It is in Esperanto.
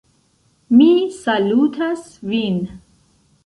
Mi salutas vin!